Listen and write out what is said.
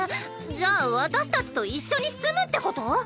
じゃあ私たちと一緒に住むってこと？